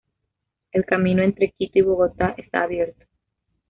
El camino entre Quito y Bogotá está abierto.